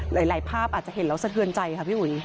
หลายภาพอาจจะเห็นแล้วสะเทือนใจค่ะพี่อุ๋ย